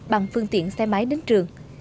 bằng phương tiện xe máy đến trường